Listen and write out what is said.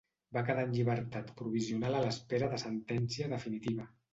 Va quedar en llibertat provisional a l'espera de sentència definitiva.